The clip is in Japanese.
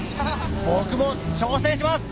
僕も挑戦します！